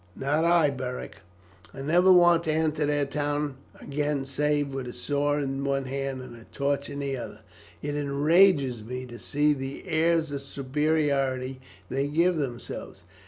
"Not I, Beric; I never want to enter their town again save with a sword in one hand and a torch in the other. It enrages me to see the airs of superiority they give themselves.